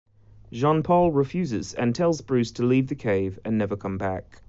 Jean-Paul refuses and tells Bruce to leave the cave and never come back.